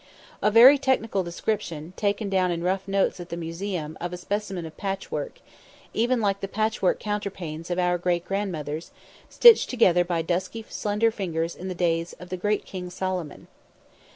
A very technical description, taken down in rough notes at the museum, of a specimen of patchwork even like the patchwork counterpanes of our great grandmothers stitched together by dusky slender fingers in the days of the great King Solomon.